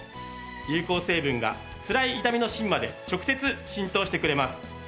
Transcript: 有効成分がつらい痛みの芯まで直接浸透してくれます。